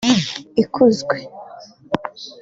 ikunzwe